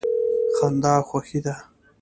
خندا خوښي ده.